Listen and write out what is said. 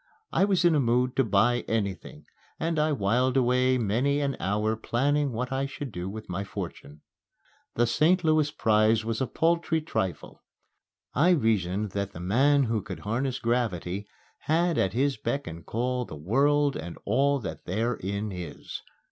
I was in a mood to buy anything, and I whiled away many an hour planning what I should do with my fortune. The St. Louis prize was a paltry trifle. I reasoned that the man who could harness gravity had at his beck and call the world and all that therein is.